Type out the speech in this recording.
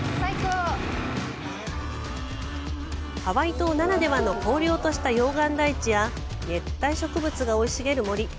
ハワイ島ならではの荒涼とした溶岩台地や熱帯植物が生い茂る森。